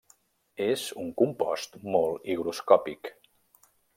És un compost molt higroscòpic.